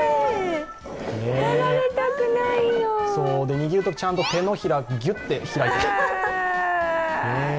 握るとき、ちゃんと手のひら、ぎゅっと開いて。